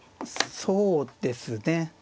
そうですね。